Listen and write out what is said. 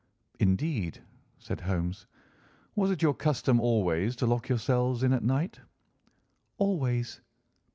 "Indeed," said Holmes. "Was it your custom always to lock yourselves in at night?" "Always."